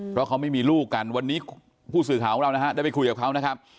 เพราะเขาไม่มีลูกกันวันนี้ผู้สื่อข่าวของเรานะฮะได้ไปคุยกับเขานะครับ